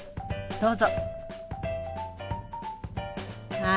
どうぞ。